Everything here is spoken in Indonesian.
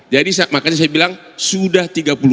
jadi makanya saya bilang sudah tiga puluh